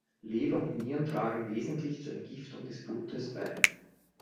Leber und Nieren tragen wesentlich zur Entgiftung des Blutes bei.